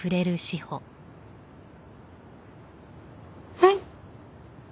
はい。